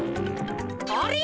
あれ？